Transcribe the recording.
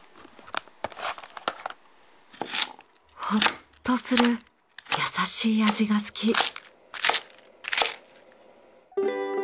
ほっとする優しい味が好き。